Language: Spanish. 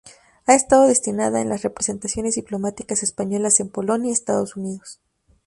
Ha estado destinada en las representaciones diplomáticas españolas en Polonia y Estados Unidos.